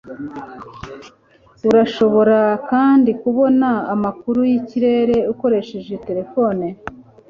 urashobora kandi kubona amakuru yikirere ukoresheje terefone